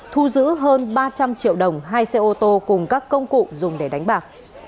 thu giữ hơn ba trăm linh triệu đồng hai xe ô tô cùng các công cụ dùng để đánh bạc